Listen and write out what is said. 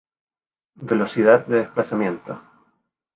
Velocidad de desplazamiento.